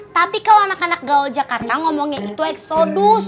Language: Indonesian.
tapi kalau anak anak gaul jakarta ngomongnya itu eksodus